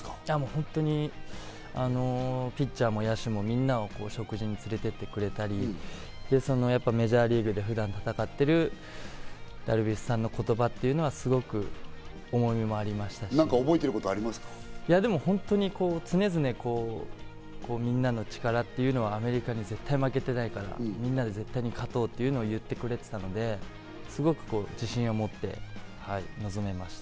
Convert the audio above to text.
本当にピッチャーも野手も、みんなお食事に連れて行ってくれたり、メジャーリーグで普段戦っているダルビッシュさんの言葉というのは、すごく重みもありましたし、本当に常々、みんなの力というのは、アメリカに絶対負けてないから、みんなで絶対に勝とうというのを言ってくれていたので、すごく自信をもって臨めました。